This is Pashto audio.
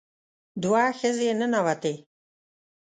دوه ښځې ننوتې.